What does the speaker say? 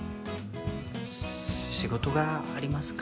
仕事がありますから。